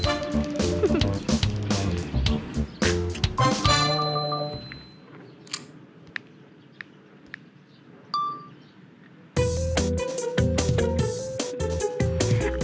โอเค